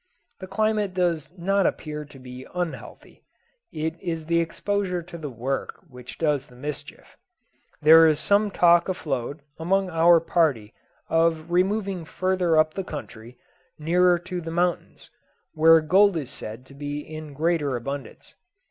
The climate does not appear to be unhealthy. It is the exposure to the work which does the mischief. There is some talk afloat among our party of removing further up the country, nearer to the mountains, where gold is said to be in greater abundance.